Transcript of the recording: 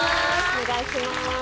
お願いします。